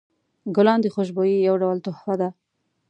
ګلان د خوشبویۍ یو ډول تحفه ده.